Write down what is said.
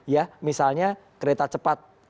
ya misalnya kereta cepat